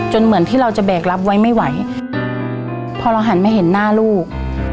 เหมือนที่เราจะแบกรับไว้ไม่ไหวพอเราหันมาเห็นหน้าลูก